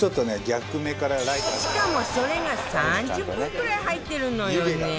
しかもそれが３０本ぐらい入ってるのよね